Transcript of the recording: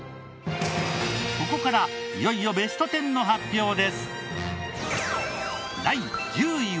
ここからいよいよベスト１０の発表です。